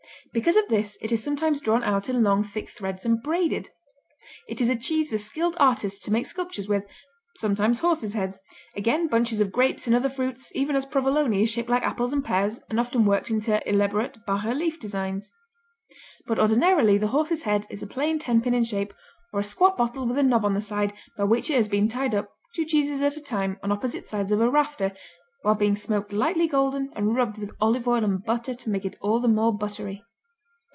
Because of this it is sometimes drawn out in long thick threads and braided. It is a cheese for skilled artists to make sculptures with, sometimes horses' heads, again bunches of grapes and other fruits, even as Provolone is shaped like apples and pears and often worked into elaborate bas relief designs. But ordinarily the horse's head is a plain tenpin in shape or a squat bottle with a knob on the side by which it has been tied up, two cheeses at a time, on opposite sides of a rafter, while being smoked lightly golden and rubbed with olive oil and butter to make it all the more buttery.